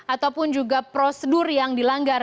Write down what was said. ataupun juga prosedur yang dilanggar